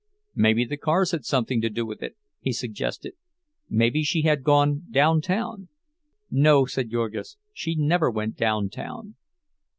"Maybe the cars had something to do with it," he suggested—"maybe she had gone down town." "No," said Jurgis, "she never went down town."